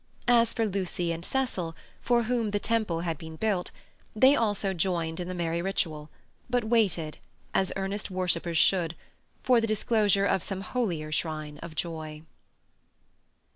As for Lucy and Cecil, for whom the temple had been built, they also joined in the merry ritual, but waited, as earnest worshippers should, for the disclosure of some holier shrine of joy.